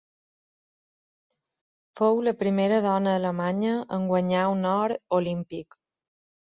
Fou la primera dona alemanya en guanyar un or olímpic.